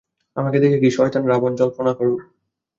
আমাকে দেখে কি শয়তান রাবণ বলে জল্পনা করো?